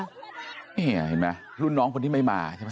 นี่เห็นไหมรุ่นน้องคนที่ไม่มาใช่ไหม